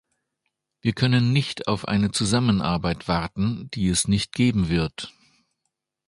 Wir können nicht auf eine Zusammenarbeit warten, die es nicht geben wird.